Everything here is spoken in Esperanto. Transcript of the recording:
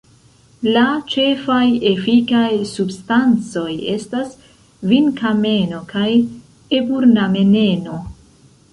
La ĉefaj efikaj substancoj estas vinkameno kaj eburnameneno.